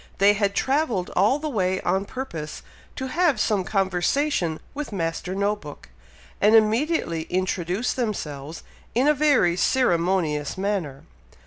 They had travelled all the way on purpose to have some conversation with Master No book, and immediately introduced themselves in a very ceremonious manner.